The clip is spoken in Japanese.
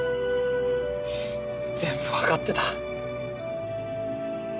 全部わかってた。